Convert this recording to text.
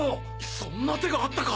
そんな手があったか！